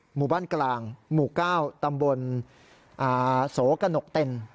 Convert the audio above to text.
หมู่บ้านกลางหมู่๙ตำบลโสกระหนกเต็น